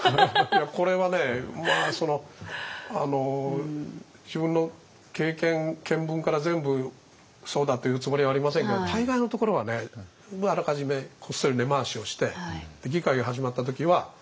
これはね自分の経験見分から全部そうだと言うつもりはありませんけど大概のところはねあらかじめこっそり根回しをして議会が始まった時はもうすんなり決まるんですよ